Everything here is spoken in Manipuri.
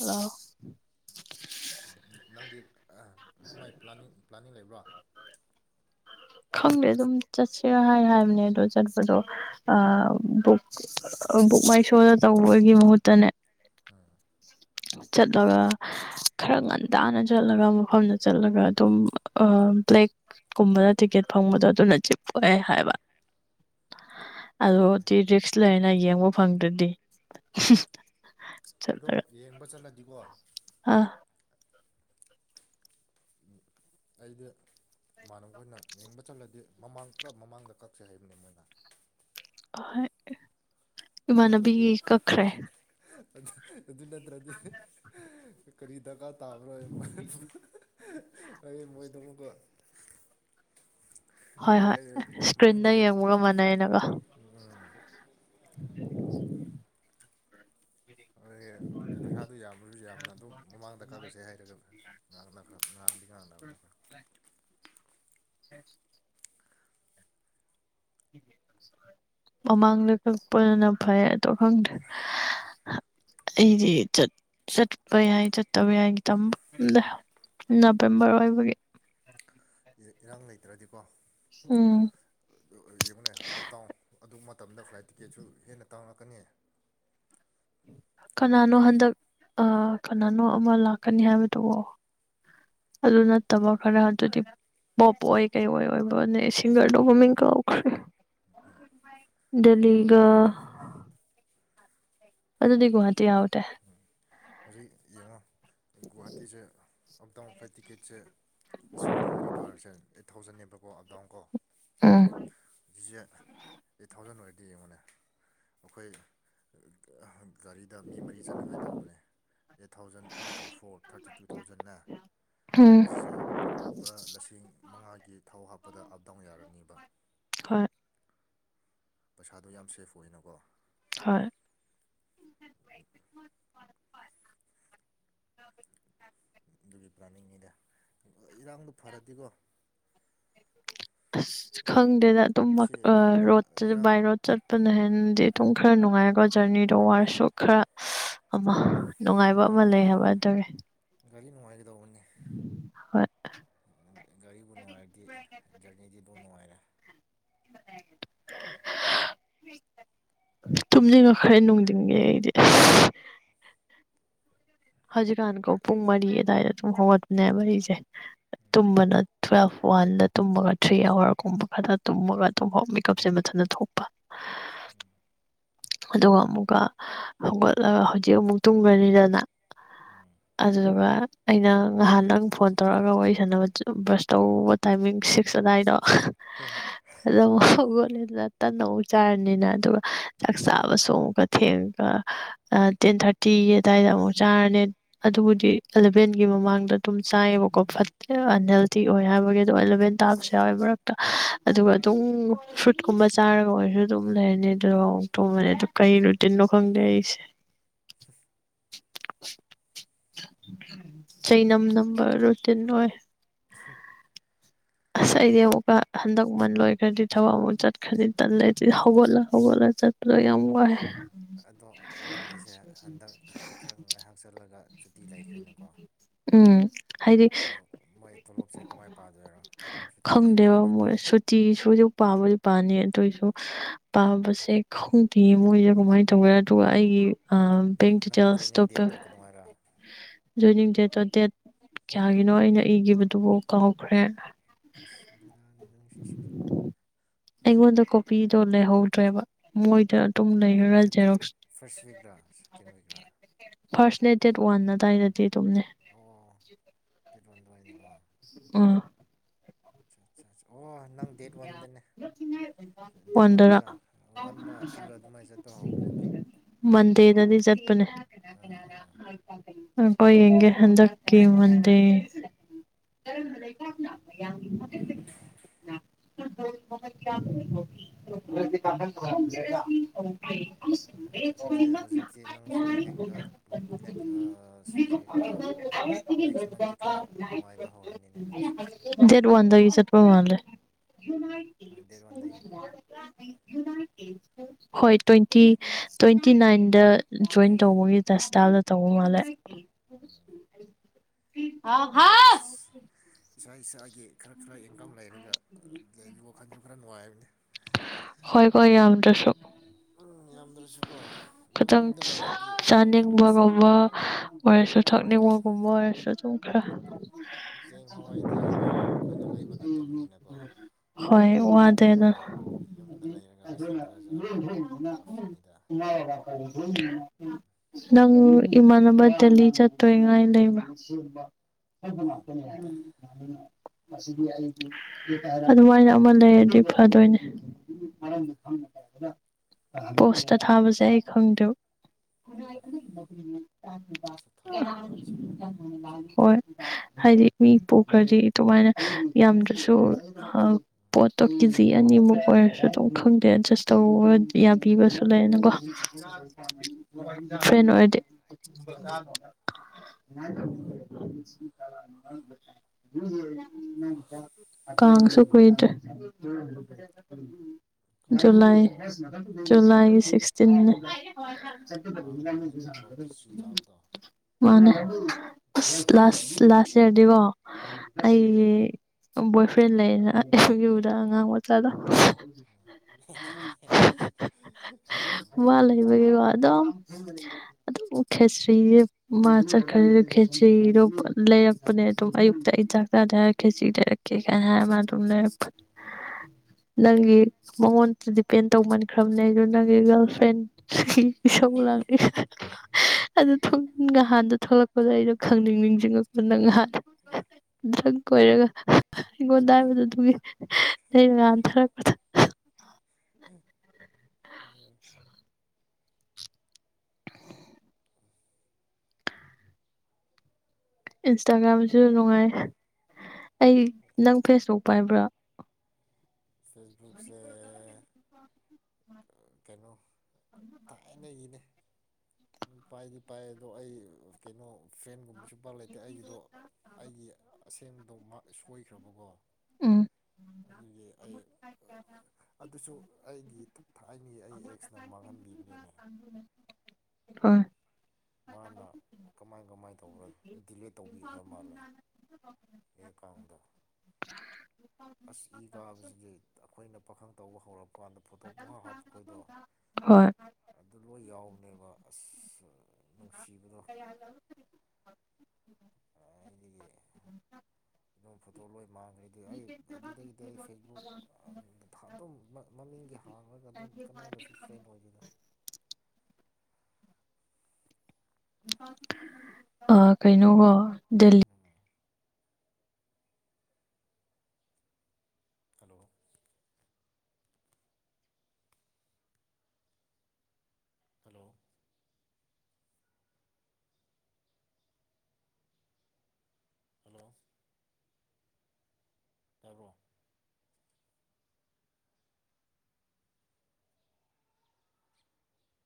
ꯑꯂ ꯍꯪꯕꯤꯠ ꯀꯃꯥꯏꯅ ꯄꯅꯤꯡ ꯄ꯭ꯂꯥꯅꯤꯡ ꯂꯩꯕ꯭ꯔꯣ ꯈꯪꯗꯦ ꯑꯗꯨꯝ ꯆꯠꯁꯤꯔꯥ ꯍꯥꯏ ꯍꯥꯏꯕꯅꯦ ꯑꯗꯣ ꯆꯠꯄꯗꯣ ꯕꯨꯛ ꯕꯨꯛ ꯃꯥꯏꯁꯣꯗ ꯇꯧꯕꯒꯤ ꯃꯍꯨꯠꯇꯅꯦ ꯎꯝ ꯆꯠꯂꯒ ꯈꯔ ꯉꯟꯇꯥꯅ ꯆꯠꯂꯒ ꯃꯐꯝꯗ ꯆꯠꯂꯒ ꯑꯗꯨꯝ ꯕ꯭ꯂꯦꯛꯀꯨꯝꯕꯗ ꯇꯤꯀꯦꯠ ꯐꯪꯕꯗꯣ ꯑꯗꯨꯅ ꯆꯤꯞ ꯑꯣꯏꯑꯦ ꯍꯥꯏꯕ ꯑ ꯇꯤ ꯑꯗꯣ ꯔꯔꯤꯛꯁ ꯂ ꯂꯩꯅ ꯌꯦꯡꯕ ꯐꯪꯗ꯭ꯔꯗꯤ ꯑꯗꯣ ꯆꯠꯂꯒꯦ ꯌꯦꯡꯕ ꯆꯠꯂꯗꯤꯀꯣ ꯑꯥ ꯑꯩꯗꯤ ꯏꯃꯥꯟꯅꯕꯣꯏꯅ ꯌꯦꯡꯕ ꯆꯜꯂꯗꯤ ꯃꯃꯥꯡ ꯄꯨꯔꯥ ꯃꯃꯥꯡꯗ ꯀꯛꯁꯦ ꯍꯥꯏꯕꯅꯦ ꯃꯣꯏꯅ ꯑꯍꯣꯏ ꯌꯃꯅꯕꯤꯒꯤ ꯀꯈ꯭ꯔꯦ ꯑ ꯑꯗꯨ ꯄ꯭ꯔꯗꯤ ꯀꯔꯤꯗꯒ ꯇꯥꯕ꯭ꯔꯣꯏꯣꯏ ꯃꯣꯏꯗꯃꯀꯣ ꯍꯣꯏ ꯍꯣꯏ ꯑꯩ ꯃꯅꯤꯡꯗ ꯏꯁꯀ꯭ꯔꯤꯟꯗ ꯂꯦꯞ ꯌꯦꯡꯕꯒ ꯃꯥꯟꯅꯩꯅꯀꯣ [unintelligible] ꯑꯗꯨꯗꯒꯤ ꯄꯩꯁꯥꯗꯨꯣ ꯌꯥꯝꯃꯁꯨ ꯌꯥꯝꯅ ꯑꯗꯨꯝ ꯃꯃꯥꯡꯗ ꯀꯛꯀꯁꯦ ꯍꯥꯏꯔꯒ ꯉꯥꯡꯅ ꯈ꯭ꯔ ꯉꯥꯡꯗꯤ ꯉꯥꯡꯅꯕꯅ ꯈ ꯎ ꯃꯃꯥꯡꯗ ꯀꯛꯄꯗꯅ ꯐꯩ ꯑꯣ ꯈꯪꯗ꯭ꯔꯦ ꯑꯩꯗꯤ ꯆꯠꯄ ꯌꯥꯏ ꯆꯠꯇꯕ ꯌꯥꯏ ꯇꯝꯕ ꯅꯕꯦꯝꯕꯔ ꯑꯣꯏꯕꯒꯤ ꯏꯔꯥꯡ ꯂꯩꯇ꯭ꯔꯗꯤꯀꯣ ꯎꯝ ꯌꯦꯡꯉꯅꯦ ꯑꯞꯗꯥꯎꯟ ꯑꯗꯨ ꯃꯇꯝꯗ ꯐ꯭ꯂꯥꯏꯠ ꯇꯤꯀꯦꯠꯁꯨ ꯍꯦꯟꯅ ꯇꯥꯡꯔꯛꯀꯅꯤ ꯀꯅꯥꯅꯣ ꯍꯟꯗꯛ ꯀꯅꯥꯅꯣ ꯑꯃ ꯂꯥꯛꯀꯅꯤ ꯍꯥꯏꯕꯗꯨꯕꯣ ꯑꯗꯨ ꯅꯠꯇꯕ ꯈꯔ ꯑꯗꯨꯗꯤ ꯄꯣꯞ ꯑꯣꯏ ꯀꯩ ꯑꯣꯏ ꯑꯣꯏꯕꯅꯦ ꯁꯤꯡꯒꯔꯗꯣ ꯃꯃꯤꯡ ꯀꯥꯎꯈ꯭ꯔꯦ ꯑꯗꯨꯒ ꯗꯦꯜꯂꯤꯒ ꯑꯗꯨꯗꯤꯒꯍꯥꯇꯤ ꯑꯎꯇꯦ ꯉꯣ ꯒꯋꯥꯍꯥꯇꯤ ꯆ ꯑꯞꯗꯥꯎꯟ ꯐ꯭ꯂꯥꯏꯠ ꯇꯤꯀꯦꯠꯦ ꯑꯁꯤ ꯃꯔꯤ ꯃꯔꯤ ꯄꯥꯔꯁꯦ ꯊꯥꯎꯖꯟꯅꯕꯀꯣ ꯑꯞ ꯗꯥꯎꯟ ꯀꯣ ꯎꯝ ꯖꯤꯁꯦ ꯑꯩꯠ ꯊꯥꯎꯖꯟ ꯑꯣꯏꯔꯗꯤ ꯌꯦꯡꯉꯨꯅꯦ ꯑꯩꯈꯣꯏ ꯒꯥꯔꯤꯗ ꯃꯤ ꯃꯔꯤ ꯆꯅꯉꯥꯏ ꯇꯧꯕꯅꯦ eight thousand into four thirty two ꯊꯥꯎꯖꯟꯅꯟꯅ ꯎꯝ ꯑꯁꯤꯁꯦ ꯄꯨꯔꯥ ꯂꯤꯁꯤꯡ ꯃꯉꯥ ꯊꯧ ꯍꯥꯞꯄꯗ ꯑꯞ ꯗꯥꯎꯟ ꯌꯥꯔꯅꯤꯕ ꯍꯣꯏ ꯄꯩꯁꯥꯗꯣ ꯌꯥꯝ ꯁꯦꯐ ꯑꯣꯏꯅ ꯑꯣꯏꯅꯀꯣ ꯍꯣꯏ ꯑꯗꯨꯒꯤ ꯄ꯭ꯂꯥꯅꯤꯡꯅꯤꯗ ꯏꯔꯥꯡꯗꯣ ꯐꯔꯗꯤꯀꯣ [inaudible] ꯑꯁ ꯈꯪꯗꯦꯗ ꯑꯗꯨꯝ ꯁꯤ ꯔꯣꯗ ꯏꯔꯥꯡ ꯕꯥꯏ ꯔꯣꯗ ꯆꯠꯄꯅꯍꯗꯤ ꯃꯇꯨꯡ ꯈꯔ ꯅꯨꯡꯉꯥꯏꯀꯣ ꯖꯔꯅꯤꯗꯣ ꯋꯥꯔꯁꯨ ꯈꯔ ꯑꯃ ꯅꯨꯡꯉꯥꯏꯕ ꯑꯃ ꯂꯩ ꯍꯥꯏꯕ ꯑꯗꯨꯒꯤ ꯒꯥꯔꯤ ꯅꯨꯡꯉꯥꯏꯒꯗꯧꯕꯅꯤ ꯍꯣꯏ ꯒꯥꯔꯤꯕꯨ ꯅꯨꯡꯉꯥꯏꯔꯗꯤ ꯖꯔꯅꯤꯗꯤ ꯑꯗꯨꯝ ꯅꯨꯡꯉꯥꯏꯔꯦ ꯇꯨꯝꯅꯤꯡꯉꯈ꯭ꯔꯦ ꯅꯨꯡꯗꯤꯤꯡꯉꯦ ꯑꯩꯗꯤ ꯍꯧꯖꯤꯛꯀꯥꯟꯀꯣ ꯄꯨꯡ ꯃꯔꯤ ꯑꯗꯨꯋꯥꯏꯗ ꯑꯗꯨꯝ ꯍꯧꯒꯠꯄꯅꯦ ꯃꯔꯤꯁꯦ ꯇꯨꯝꯕꯅ ꯇꯨꯋꯦꯜꯐ ꯋꯥꯟꯗ ꯇꯨꯝꯃꯒ ꯊ꯭ꯔꯤ ꯑꯋꯥꯔꯒꯨꯝꯕ ꯈꯔ ꯇꯨꯝꯃꯒ ꯑꯗꯨꯝ ꯃꯦꯀꯞꯁꯦ ꯃꯊꯟꯇ ꯊꯣꯛꯄ ꯑꯗꯨꯒ ꯑꯃꯨꯛꯀ ꯍꯧꯒꯠꯂꯒ ꯍꯧꯖꯤꯛ ꯑꯃꯨꯛ ꯇꯨꯝꯒꯅꯤꯗꯅ ꯑꯗꯨꯗꯨꯒ ꯑꯩꯅ ꯉꯍꯥꯟ ꯅꯪ ꯐꯣꯟ ꯇꯧꯔꯛꯑꯒ ꯋꯥꯔꯤ ꯁꯥꯟꯅꯕ ꯕ꯭ꯔꯁ ꯇꯧꯧꯕ ꯇꯥꯏꯃꯤꯡ ꯁꯤꯛꯁ ꯑꯗꯨꯋꯥꯏꯗꯣ ꯑꯗ ꯅ ꯇꯟꯅ ꯎ ꯆꯥꯔꯅꯤꯅ ꯑꯗꯨꯒ ꯆꯥꯛ ꯆꯥꯕꯁꯨ ꯑꯃꯨꯛꯀ ꯊꯦꯡꯉꯒ ꯇꯦꯟ ꯊꯥꯔꯇꯤꯒꯤ ꯑꯗꯨꯋꯥꯏꯗ ꯑꯃꯨꯛ ꯆꯥꯔꯅꯤ ꯑꯗꯨꯕꯨꯗꯤ ꯑꯦꯂꯚꯦꯟꯒꯤ ꯃꯃꯥꯡꯗ ꯑꯗꯨꯝ ꯆꯥꯏꯌꯦꯕꯀꯣ ꯐꯠꯇꯦ ꯑꯟꯍꯦꯜꯗꯤ ꯑꯣꯏ ꯍꯥꯏꯕꯒꯤ ꯑꯗꯣ ꯑꯦꯂꯚꯦꯟ ꯇꯥꯕꯁꯨ ꯌꯥꯎꯋꯦ ꯃꯔꯛꯇ ꯑꯗꯨꯒ ꯑꯗꯨꯝ ꯐ꯭ꯔꯨꯠꯀꯨꯝꯕ ꯆꯥꯔꯒ ꯑꯣꯏꯔꯁꯨ ꯑꯗꯨꯝ ꯂꯩꯔꯅꯤ ꯑꯗꯨꯒ ꯑꯃꯨꯛ ꯇꯣꯡꯕꯅꯤ ꯑ ꯀꯔꯤ ꯔꯨꯇꯤꯟꯅꯣ ꯈꯪꯗꯦ ꯑꯩꯁꯦ ꯆꯩ ꯅꯝ ꯅꯝꯕ ꯔꯨꯇꯤꯟ ꯑꯣꯏ ꯐ ꯑꯁ ꯑꯩꯗꯤ ꯑꯃꯨꯛꯀ ꯍꯟꯗꯛꯃꯟ ꯂꯣꯏꯈ꯭ꯔꯗꯤ ꯊꯕꯛ ꯑꯃꯨꯛ ꯆꯠꯈ꯭ꯔꯗꯤ ꯇꯜꯂꯦ ꯍꯧꯒꯠꯂ ꯍꯧꯒꯠꯂ ꯆꯠꯄꯗꯣ ꯌꯥꯝ ꯋꯥꯏ ꯑꯗꯣ ꯅꯪꯒꯤꯁꯦ ꯍꯟꯗꯛ ꯈꯔ ꯈꯔ ꯉꯥꯏꯍꯥꯛꯆꯜꯂꯒ ꯆꯨꯇꯤ ꯂꯩꯈ꯭ꯔꯦꯅꯀꯣ ꯎꯝ ꯍꯥꯏꯗꯤ ꯑ ꯃꯣꯏ ꯇꯣꯂꯣꯞꯁꯦ ꯀꯃꯥꯏꯅ ꯄꯥꯗꯣꯏꯔꯣ ꯁꯨꯇꯤꯁꯨ ꯈꯪꯗꯦꯕ ꯄꯥꯅꯤꯅ ꯃꯣꯏ ꯁꯨꯇꯤꯁꯨ ꯍꯧꯖꯤꯛ ꯄꯥꯝꯕ ꯄꯥꯅꯤ ꯑꯗꯨꯏꯁꯨ ꯄꯥꯕꯁꯦ ꯈꯪꯗꯦꯌꯦ ꯃꯣꯏꯁꯦ ꯀꯃꯥꯏꯅ ꯇꯧꯒꯦ ꯑꯗꯨꯒ ꯑꯩꯒꯤ ꯑ ꯅꯪ ꯕꯦꯡ ꯅꯪ ꯗꯤꯇꯦꯜꯁ ꯖꯣꯏꯅꯤꯡ ꯗꯦꯠꯇꯣ ꯀꯩꯗꯧꯉꯥꯏꯔ ꯇꯄꯤꯣꯏꯅꯤꯡ ꯑꯗꯣ ꯗꯦꯠ ꯀꯌꯥꯒꯤꯅꯣ ꯑꯩꯅ ꯏꯈꯤꯕꯗꯨꯕꯨ ꯀꯥꯎꯍꯧꯈ꯭ꯔꯦ ꯅꯤ ꯑꯗꯨꯁꯨ ꯅꯨꯄꯤꯗꯣ ꯂꯩꯍꯧꯗ꯭ꯔꯦꯕ ꯃꯣꯏꯗ ꯇꯨꯡ ꯂꯩꯈ꯭ꯔꯥ ꯅꯠꯇꯦ ꯖꯦꯔꯣꯛꯁ ꯐꯥꯔꯁ ꯋꯤꯛꯔꯥ ꯁꯦꯀꯦꯟ ꯋꯤꯛꯔꯥ ꯐꯥꯔꯁꯅꯦꯠ ꯗꯦꯠ ꯋꯥꯟ ꯑꯗꯨꯗꯥꯋꯥꯏꯗꯗꯤ ꯑꯗꯨꯝꯅꯦ ꯇꯤꯔꯄꯣꯟꯗꯅꯤꯀꯣ ꯑꯥ ꯑꯣ ꯅꯪ ꯗꯦꯠ ꯋꯥꯟꯗꯅꯦ ꯗꯦꯠ ꯋꯥꯟꯗꯔ ꯋꯥꯟꯗꯅ ꯋꯥꯟ ꯇꯨꯔꯨꯔ ꯑꯗꯨꯃꯥꯏꯅ ꯆꯠꯄ ꯍꯧꯕꯅꯤꯅ ꯑꯦꯗꯅꯤ ꯉꯥꯈꫭ ꯌꯦꯡꯒꯦ ꯍꯟꯗꯛꯀꯤ ꯃꯟꯗꯦ [unintelligible] ꯑꯗꯨ ꯍꯧꯖꯤꯛꯇꯤ ꯅꯪꯁꯨ ꯅ ꯁꯨꯖꯤꯛ ꯅꯦꯛꯁ ꯃꯟꯗꯤ ꯈꯔ ꯅꯨꯡꯉꯥꯏꯕ ꯍꯧꯔꯅꯤꯅꯦ ꯅꯪꯁꯨ ꯗꯦꯠ ꯋꯥꯟꯗꯒꯤꯅꯦ ꯥꯏꯄꯣ ꯍꯣꯏ ꯇ꯭ꯋꯦꯟꯇꯤ ꯇ꯭ꯋꯦꯟꯇꯤ ꯅꯥꯏꯟꯗ ꯖꯣꯏꯟ ꯇꯧꯕꯒꯤ ꯇꯁꯇꯥꯏꯜꯗ ꯇꯧꯕ ꯃꯥꯜꯂꯦ ꯑꯥꯎ ꯍꯥꯥꯎ ꯁꯥꯏꯁꯥꯏ ꯒꯤ ꯈꯔ ꯈꯔ ꯏꯪꯀꯝ ꯂꯩꯔꯒ ꯂꯩꯕ ꯋꯥꯈꯜꯁꯨ ꯈ ꯅꯣꯉꯥꯥꯏꯕꯅꯤ ꯍꯣꯏ ꯀꯣꯏ ꯌꯥꯝꯗꯁꯨꯣ ꯎꯝ ꯌꯥꯝꯗ꯭ꯔꯁꯨꯀꯣ ꯑꯗꯨꯝ ꯈꯤꯇꯪ ꯌꯨꯝꯗ ꯂꯩꯔꯗꯤ ꯑꯗꯨꯝ ꯑꯁ ꯆꯥꯅꯤꯡꯕꯒꯨꯝꯕ ꯑꯣꯏꯔꯁꯨ ꯊꯛꯅꯤꯡꯕꯒꯨꯝꯕ ꯑꯣꯏꯔꯁꯨ ꯑꯗꯨꯝ ꯈꯔ ꯆꯦꯡ ꯍꯋꯥꯏꯗꯤ ꯑꯩꯈꯣꯏꯅ ꯂꯩꯕ ꯅꯠꯇꯕꯅꯤꯅꯀꯣ ꯍꯣꯏ ꯌꯨꯝꯗ ꯋꯥꯗꯦꯅ ꯂꯩꯔꯒ ꯌꯨꯝꯗ ꯂꯩꯔꯒ ꯂꯤꯁꯤꯡ ꯇꯔꯥ ꯆꯥꯕꯗꯤ ꯑꯗꯨꯝ ꯀꯥꯐꯤꯅꯤꯗ ꯅꯪ ꯏꯃꯥꯟꯅꯕ ꯗꯦꯜꯂꯤ ꯆꯠꯇꯣꯏꯉꯥꯏ ꯂꯩꯕ꯭ꯔꯥ ꯁꯄ ꯂꯩꯇꯦ ꯃꯥꯅꯦ ꯃꯁꯤꯗꯤ ꯑꯔꯤ ꯑꯗꯨꯃꯥꯏꯅ ꯑꯃ ꯂꯩꯔꯗꯤ ꯐꯗꯣꯏꯅꯦ ꯎꯝ ꯃꯔꯝꯗꯤ ꯑꯗꯨꯅ ꯈꯪ ꯇꯕ꯭ꯔꯥ ꯄꯣꯁꯇ ꯊ ꯍꯥꯥꯕꯖꯦ ꯈꯪꯗꯦ ꯊꯥꯕꯁꯦ ꯋꯥꯏ ꯆꯤꯟꯕꯅꯦ ꯋꯥꯏ ꯆꯤꯟꯕꯗꯤ ꯍꯣꯏ ꯍꯥꯏꯗꯤ ꯃꯤ ꯄꯣꯛꯈ꯭ꯔꯗꯤ ꯑꯗꯨꯃꯥꯏꯅ ꯌꯥꯝꯗ꯭ꯔꯁꯨ ꯄꯣꯠꯇꯣ ꯀꯦꯖꯤ ꯑꯅꯤꯃꯨꯛ ꯑꯣꯏꯔꯁꯨ ꯑꯗꯨꯝ ꯈꯪꯗꯦ ꯑꯦꯗꯖꯁ ꯇꯧꯕ ꯌꯥꯕꯤꯕꯁꯨ ꯂꯩꯌꯦꯅꯀꯣ ꯐꯟꯑꫭꯏꯔꯗꯤ ꯍꯣꯏ ꯌꯥ ꯀꯥꯡꯁꯨ ꯀꯨꯏꯗ꯭ꯔꯦ ꯀꯥꯡꯁꯤꯕꯨ ꯖꯨꯂꯥꯏ ꯅꯨꯡꯉꯥꯏꯔꯣ ꯑꯗꯨꯗ ꯖꯨꯂꯥꯏꯒꯤ ꯁꯤꯛꯁꯇꯤꯟꯦ ꯀꯥꯡ ꯍꯧꯏ ꯅꯨꯃꯤꯠ ꯅꯠꯇ꯭ꯔꯣ ꯈꯤꯁꯇ꯭ꯔꯤ ꯆꯥꯕꯗꯣ ꯃꯥꯅꯦ ꯑꯁ ꯂꯥꯁ ꯂꯥꯁ ꯏꯌꯥꯔꯗꯤꯀꯣ ꯑꯩꯒꯤ ꯕꯣꯏ ꯐ꯭ꯔꯦꯟ ꯂꯩꯌꯦꯅ ꯑ ꯌꯨꯗ ꯑꯉꯥꯡ ꯃꯆꯥꯗ ꯑꯁ ꯋꯥ ꯂꯩ ꯂꯩꯕꯒꯦꯔꯣ ꯑꯗꯣ ꯑꯗꯨꯝ ꯈꯦꯇ꯭ꯔꯤꯁ ꯃꯥ ꯆꯠꯈ꯭ꯔꯦ ꯈꯦꯇ꯭ꯔꯤꯗꯣ ꯂꯩꯔꯛꯄꯅꯦ ꯑꯗꯨꯝ ꯑꯌꯨꯛꯇ ꯑꯩ ꯆꯥꯛ ꯆꯥꯗꯦ ꯍꯥꯏꯔꯒ ꯈꯦꯇ꯭ꯔꯤ ꯂꯩꯔꯛꯀꯦ ꯀꯥꯏꯅ ꯍꯥꯏꯔ ꯃꯥ ꯑꯗꯨꯝ ꯂꯩꯔꯛꯄ ꯅꯪꯒꯤ ꯃꯉꯣꯟꯗ ꯗꯤꯄꯦꯟ ꯇꯧꯃꯟꯈ꯭ꯔꯕꯅꯦ ꯑꯗꯨ ꯅꯪꯒꯤ ꯒꯔꯜ ꯄꯦꯟ ꯂ ꯑꯗꯨ ꯊ ꯍꯥꯟꯗꯂꯛꯄ ꯑꯗ ꯑꯩꯗꯣ ꯈꯪꯅꯤꯡ ꯅꯤꯡꯁꯤꯡꯉꯄ ꯅꯪꯍꯥꯟ ꯪ ꯀꯣꯏꯔꯒ ꯑꯩꯉꯣꯟꯗ ꯍꯥꯏꯕꯗ ꯑꯗꯨꯒꯤ ꯂꯩꯔ ꯀꯥꯟꯊꯔꯛꯄꯗ ꯎꯝ ꯎꯝ ꯏꯟꯁꯇꯥꯒ꯭ꯔꯥꯝꯁꯨ ꯅꯨꯡꯉꯥꯏ ꯑꯩ ꯅꯪ ꯐꯦꯁꯕꯨꯛ ꯄꯥꯏꯕ꯭ꯔꯥ ꯐꯦꯁꯕꯨꯛꯁ ꯀꯩꯅꯣ ꯇꯥꯏꯅ ꯏꯅꯦ ꯄꯥꯏꯗꯤ ꯄꯥꯏ ꯑꯗꯣ ꯑꯩ ꯀꯩꯅꯣ ꯐ꯭ꯔꯦꯟꯒꯨꯝꯕꯁꯨ ꯏꯄꯥ ꯂꯩꯇꯦ ꯑꯩꯒꯤꯗꯣ ꯑꯩꯒꯤ ꯑꯁꯦꯡꯕꯗꯣ ꯁꯣꯏꯈ꯭ꯔꯕꯀꯣ ꯎꯝ ꯑꯗꯨꯗꯒꯤ ꯑꯩ ꯑꯗꯨꯁꯨ ꯑꯩꯒꯤ ꯊꯥꯏꯒꯤ ꯑꯩ ꯑꯦꯛꯁꯅ ꯃꯥꯡꯍꯟꯕꯤꯕꯅꯤꯅꯦ ꯍꯣꯏ ꯃꯥꯅ ꯀꯃꯥꯏ ꯀꯃꯥꯏ ꯇꯧꯈ꯭ꯔ ꯗꯤꯂꯦ ꯇꯧꯕꯤꯈ꯭ꯔ ꯃꯥꯜꯂꯦ ꯑꯩ ꯑꯦꯀꯥꯎꯟꯗ ꯑꯁ ꯏ ꯀꯥꯕꯁꯤꯗꯤ ꯑꯩꯈꯣꯏꯅ ꯄꯥꯈꯪ ꯇꯧꯕ ꯍꯧꯔꯛꯄ ꯀꯥꯟꯗ ꯐꯣꯇꯣ ꯄꯨꯡ ꯍꯥꯞ ꯍꯥꯞꯄ ꯈꯣꯏꯗꯣ ꯍꯣꯏ ꯑꯗꯨ ꯂꯣꯏ ꯌꯥꯎꯕꯅꯦꯕ ꯑꯁ ꯅꯨꯡꯁꯤꯕꯗꯣ ꯑꯩꯗꯒꯤ ꯑꯗꯨꯝ ꯐꯣꯇꯣ ꯂꯣꯏ ꯃꯥꯡꯈ꯭ꯔꯦꯗꯤ ꯑꯩ ꯑꯗꯨꯗꯒꯤꯗꯤ ꯑꯩ ꯐꯦꯁꯕꯨꯛ ꯑꯗꯨꯝ ꯃꯃꯤꯡꯒꯤ ꯍꯥꯡꯉꯒ ꯑꯗꯨꯝ ꯀꯅꯥꯒꯁꯨ ꯐ꯭ꯔꯦꯟ ꯑꯣꯏꯗꯣꯏꯅ ꯀꯩꯅꯣꯀꯣ ꯗꯦꯜꯂꯤ ꯍꯜꯂꯣ ꯍꯜꯂꯣ ꯍꯜꯂꯣ ꯇꯔꯣ